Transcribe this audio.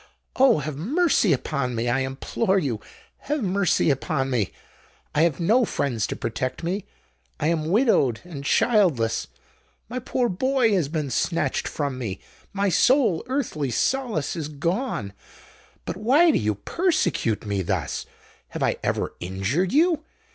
Oh! have mercy upon me, I implore you—have mercy upon me! I have no friends to protect me: I am widowed and childless. My poor boy has been snatched from me—my sole earthly solace is gone! But why do you persecute me thus? Have I ever injured you?